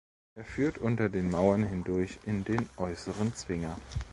Er führt unter den Mauern hindurch in den äußeren Zwinger.